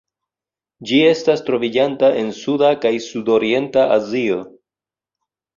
Ĝi estas troviĝanta en Suda kaj Sudorienta Azio.